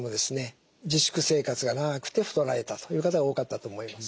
自粛生活が長くて太られたという方が多かったと思います。